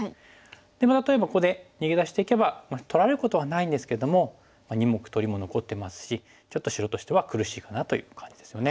で例えばここで逃げ出していけば取られることはないんですけども２目取りも残ってますしちょっと白としては苦しいかなという感じですよね。